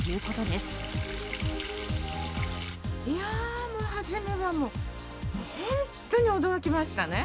いやぁー、もう初めはもう、本当に驚きましたね。